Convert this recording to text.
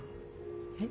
えっ？